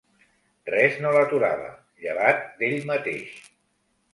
Res no l'aturava, llevat d'ell mateix.